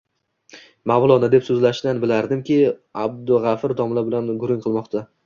Mavlono, deb so`zlashidan bilardimki, Abdug`afur domla bilan gurung qilmoqda